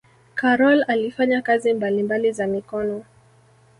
karol alifanya kazi mbalimbali za mikono